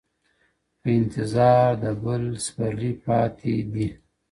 په انتظار د بل سپرلي پاتې دي